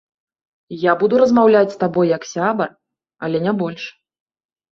Я буду размаўляць з табой, як сябар, але не больш.